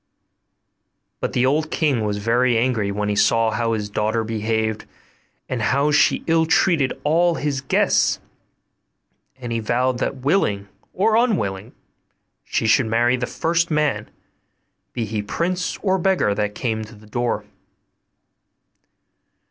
But the old king was very angry when he saw how his daughter behaved, and how she ill treated all his guests; and he vowed that, willing or unwilling, she should marry the first man, be he prince or beggar, that came to the door.